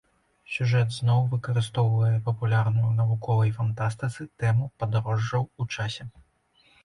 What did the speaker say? Сюжэт зноў выкарыстоўвае папулярную ў навуковай фантастыцы тэму падарожжаў у часе.